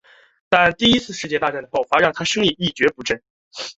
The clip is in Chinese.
但第一次世界大战爆发让他的生意一蹶不振。